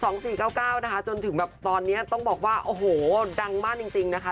๒๔๙๙นะคะจนถึงแบบตอนนี้ต้องบอกว่าโอ้โหดังมากจริงนะคะ